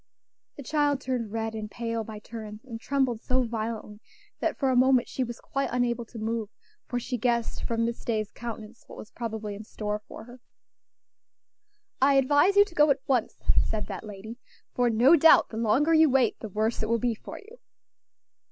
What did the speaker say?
The child turned red and pale by turns, and trembled so violently that for a moment she was quite unable to move; for she guessed from Miss Day's countenance what was probably in store for her. "I advise you to go at once," said that lady, "for no doubt the longer you wait the worse it will be for you."